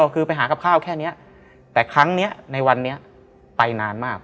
คือไปหากับข้าวแค่นี้แต่ครั้งนี้ในวันนี้ไปนานมาก